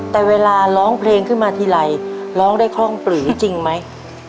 แต่เวลาร้องเพลงขึ้นมาทีไรร้องได้คล่องปลือจริงไหม